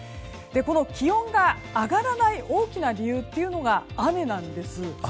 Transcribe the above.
この気温が上がらない大きな理由というのが雨なんです。